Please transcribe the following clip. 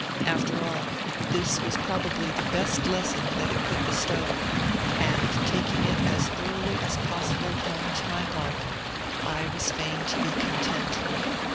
After all, this was probably the best lesson that it could bestow, and, taking it as thoroughly as possible home to my heart, I was fain to be content.